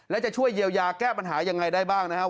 และจะช่วยเยียวยาแก้ปัญหายังไงได้บ้างนะครับ